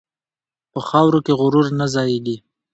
په خاورو کې غرور نه ځایېږي.